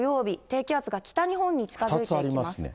低気圧が北日本に近づいてきます。